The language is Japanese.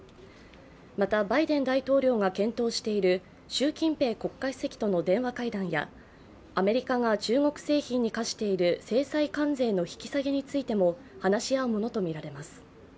また、バイデン大統領が検討している習近平国家主席との電話会談やアメリカが中国製品に課している制裁関税の引き下げについても話し合うものとみられます。